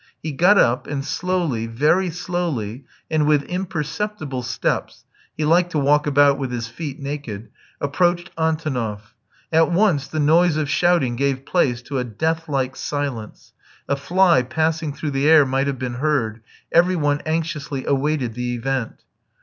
He got up, and slowly, very slowly, and with imperceptible steps he liked to walk about with his feet naked approached Antonoff; at once the noise of shouting gave place to a death like silence a fly passing through the air might have been heard every one anxiously awaited the event.